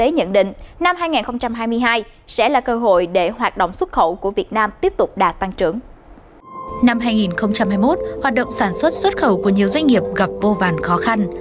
năm hai nghìn hai mươi một hoạt động sản xuất xuất khẩu của nhiều doanh nghiệp gặp vô vàn khó khăn